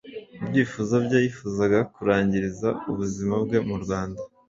Mu byifuzo bye yifuzaga kurangiriza ubuzima bwe mu Rwanda